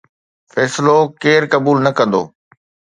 فيصلو ڪير قبول نه ڪندو؟